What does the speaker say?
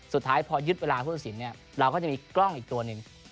สุดท้ายพอยึดเวลาผู้สินเราก็จะมีกล้องอีกตัวนึง